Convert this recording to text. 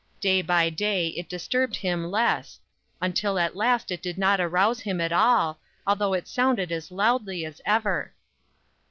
Day by day it disturbed him less, until at last it did not arouse him at all, although it sounded as loudly as ever.'